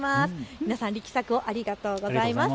皆さん、力作をありがとうございます。